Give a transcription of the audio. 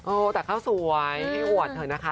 โอ้แต่เขาสวยให้อวดเถอะนะคะ